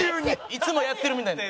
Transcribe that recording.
いつもやってるみたいに。